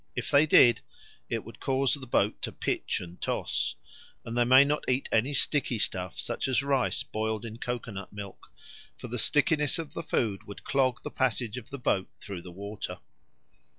If they did, it would cause the boat to pitch and toss; and they may not eat any sticky stuff, such as rice boiled in coco nut milk, for the stickiness of the food would clog the passage of the boat through the water.